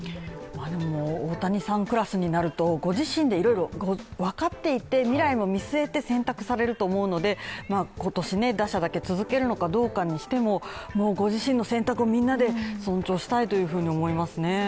大谷さんクラスになると、ご自身でいろいろ分かっていて未来も見据えて選択をされると思うので今年打者だけ続けるのか分かりませんがご自身の選択をみんなで尊重したいというふうに思いますね。